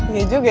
gak ada rasa